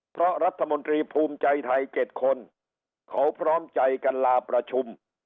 เพราะรัฐมนตรีภูมิใจไทย๗คนเขาพร้อมใจกันลาประชุม